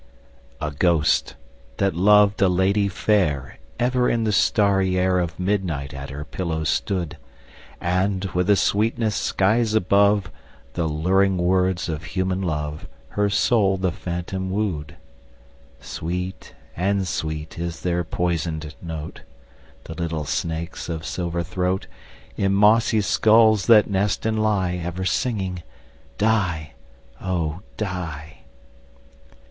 A ghost, that loved a lady fair, Ever in the starry air Of midnight at her pillow stood; And, with a sweetness skies above The luring words of human love, Her soul the phantom wooed. Sweet and sweet is their poisoned note, The little snakes' of silver throat, In mossy skulls that nest and lie, Ever singing "die, oh! die."